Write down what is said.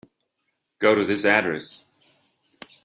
Go to this address.